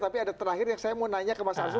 tapi ada terakhir yang saya mau nanya ke mas arsul